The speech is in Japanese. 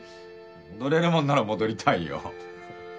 戻れるもんなら戻りたいよ。